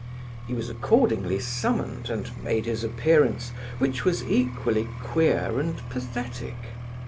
He was accordingly summoned, and made his appearance, which was equally queer and pathetic.